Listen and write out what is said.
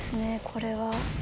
これは。